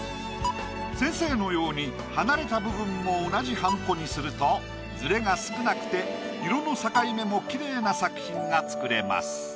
先生のように離れた部分も同じはんこにするとズレが少なくて色の境目もきれいな作品が作れます。